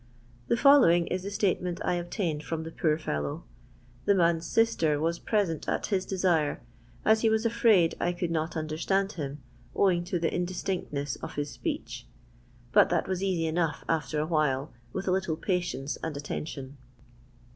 The following is the statement I obtained from the poor fellow. The man's sister was present at his desire, as he was afiraid I could not understand him, owing to the indistinctneu of his speech ; but that was easy enough, after awhile, with a little patience and attention.